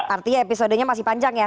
artinya episodenya masih panjang ya